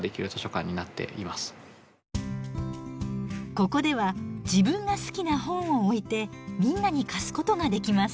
ここでは自分が好きな本を置いてみんなに貸すことができます。